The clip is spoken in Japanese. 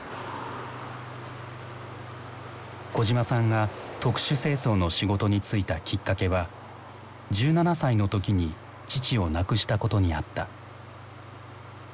小島さんが特殊清掃の仕事に就いたきっかけは１７歳の時に父を亡くしたことにあった。